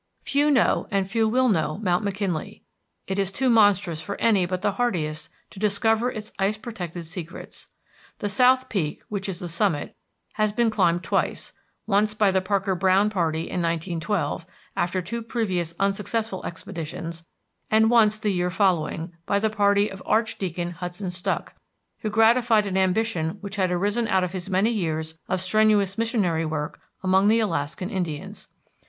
Few know and few will know Mount McKinley. It is too monstrous for any but the hardiest to discover its ice protected secrets. The South Peak, which is the summit, has been climbed twice, once by the Parker Browne party in 1912, after two previous unsuccessful expeditions, and once, the year following, by the party of Archdeacon Hudson Stuck, who gratified an ambition which had arisen out of his many years of strenuous missionary work among the Alaskan Indians.